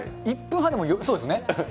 １分半でも、そうですね。